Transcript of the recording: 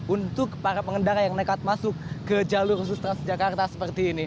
untuk para pengendara yang nekat masuk ke jalur khusus transjakarta seperti ini